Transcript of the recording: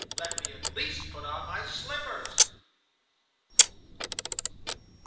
Let me at least put on my slippers.